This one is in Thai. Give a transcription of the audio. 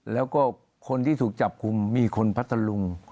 แล้วก็คนที่ถูกจับกลุ่มมีคนพัทธลุง